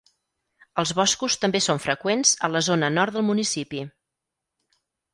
Els boscos també són freqüents a la zona nord del municipi.